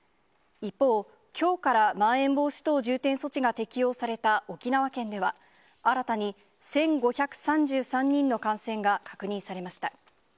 一方、きょうからまん延防止等重点措置が適用された沖縄県では、新たに１５３３人の感染が確認されました。